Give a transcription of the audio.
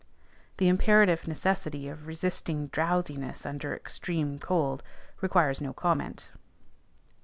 The imperative necessity of resisting drowsiness under extreme cold requires no comment.